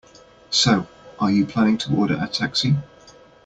So, are you planning to order a taxi?